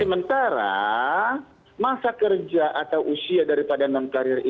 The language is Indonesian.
sementara masa kerja atau usia daripada enam tahun itu tidak mungkin terjadi